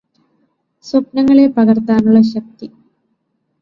സ്വപ്നങ്ങളെ പകര്ത്താനുള്ള ശക്തി